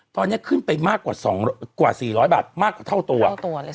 ตอนนี้ขึ้นไปมากกว่า๒กว่า๔๐๐บาทมากกว่าเท่าตัวเท่าตัวเลย